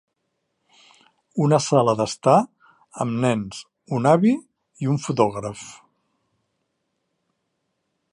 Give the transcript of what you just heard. Una sala d'estar amb nens, un avi i un fotògraf.